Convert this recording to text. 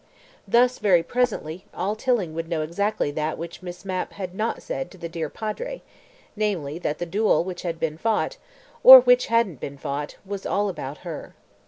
Thus, very presently, all Tilling would know exactly that which Miss Mapp had not said to the dear Padre, namely, that the duel which had been fought (or which hadn't been fought) was "all about" her.